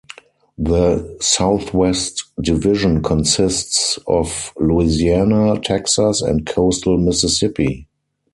The Southwest Division consists of Louisiana, Texas, and coastal Mississippi.